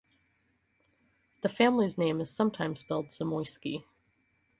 The family's name is sometimes spelled Zamoyski.